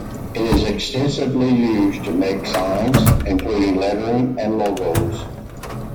It is extensively used to make signs, including lettering and logos.